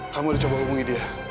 kamu udah coba hubungi dia